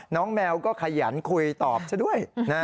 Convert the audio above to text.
น้องแมวก็ขยันคุยตอบเช่นด้วย